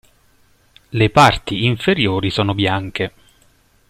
Le parti inferiori sono bianche.